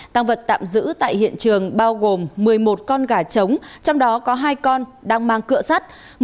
tăng vật tạm giữ tại hiện trường bao gồm một mươi một con gà trống trong đó có hai con đang mang cửa sắt